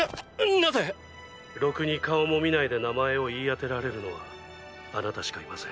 なぜ⁉ろくに顔も見ないで名前を言い当てられるのはあなたしかいません